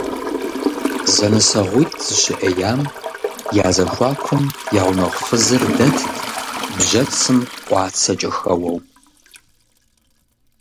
ЗэнысэгъуитӀ зэщыӀеям я зэхуакум я гъунэгъу фызыр дэтт, бжьэцым къуацэкӀэ хэуэу.